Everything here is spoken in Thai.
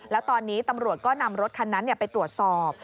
แล้วตอนนี้ตำรวจก็นำรถคันนั้นไปตรวจสอบ